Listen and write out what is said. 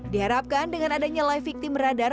diharapkan dengan adanya live victim radar